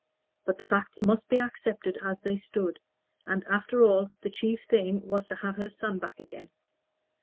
But the facts must be accepted as they stood, and, after all, the chief thing was to have her son back again.